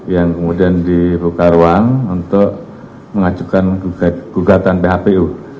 yang kemudian dibuka ruang untuk mengajukan gugatan phpu